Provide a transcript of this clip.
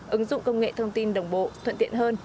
ứng dụng công nghệ thông tin đồng bộ thuận tiện hơn